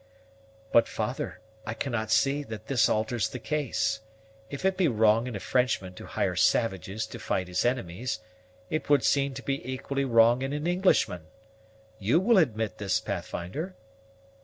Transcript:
"But, father, I cannot see that this alters the case. If it be wrong in a Frenchman to hire savages to fight his enemies, it would seem to be equally wrong in an Englishman. You will admit this, Pathfinder?"